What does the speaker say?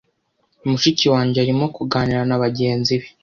Mushiki wanjye arimo kuganira nabagenzi be.